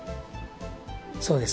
そうです